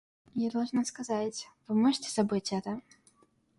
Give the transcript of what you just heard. Я должна сказать... Вы можете забыть это?